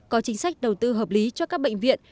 có chính sách đầu tư hợp lý cho các bệnh viện